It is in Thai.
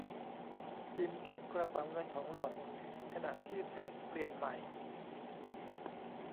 จิมเก็บกระเป๋าเงินของหล่อน ขณะที่เฟร็ดเปลี่ยนใหม่